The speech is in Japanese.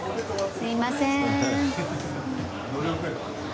すみません。